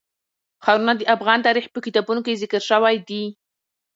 ښارونه د افغان تاریخ په کتابونو کې ذکر شوی دي.